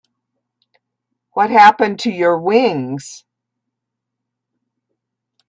What happened to your wings?